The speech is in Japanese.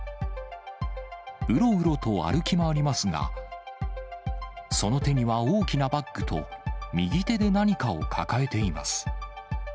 うろうろと歩き回りますが、その手には大きなバッグと、右手で何かを抱えています。